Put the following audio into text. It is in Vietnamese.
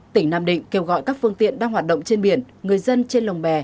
tỉnh nam định kêu gọi các phương tiện đang hoạt động trên biển người dân trên lồng bè